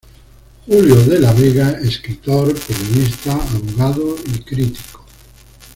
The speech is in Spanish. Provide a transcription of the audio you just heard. Julio De la Vega, escritor, periodista, abogado y crítico.